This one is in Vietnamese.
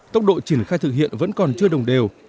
tốc độ triển khai thực hiện vẫn còn chưa đồng đều